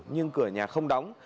nhưng cửa nhà không đóng